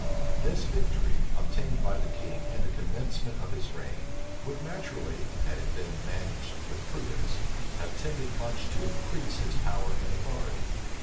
This victory, obtained by the king in the commencement of his reign, would naturally, had it been managed with prudence, have tended much to increase his power and authority.